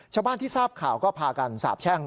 ชาวบ้านที่ทราบข่าวก็พากันสาบแช่ง